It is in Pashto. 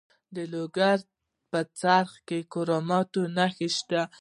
د لوګر په څرخ کې د کرومایټ نښې شته.